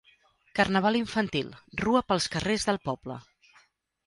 Carnaval infantil: rua pels carrers del poble.